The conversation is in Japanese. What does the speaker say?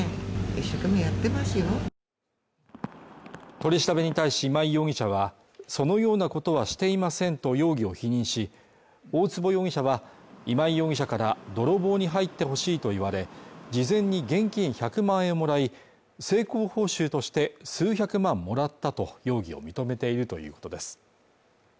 取り調べに対し今井容疑者は、そのようなことはしていませんと容疑を否認し大坪容疑者は今井容疑者から泥棒に入ってほしいと言われ、事前に現金１００万円をもらい、成功報酬として数百万もらったと容疑を認めているということです。